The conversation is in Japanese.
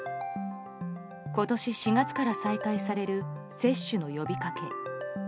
今年４月から再開される接種の呼びかけ。